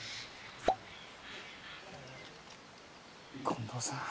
近藤さん。